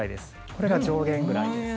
これが上限ぐらいです。